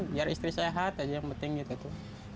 biar istri sehat aja yang penting gitu tuh